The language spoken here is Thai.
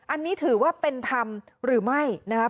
อันนี้ถือว่าเป็นธรรมหรือไม่นะครับ